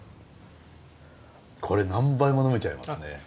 これ何杯も呑めちゃいますね。